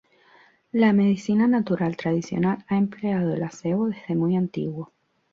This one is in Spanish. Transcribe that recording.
La medicina natural tradicional ha empleado el acebo desde muy antiguo.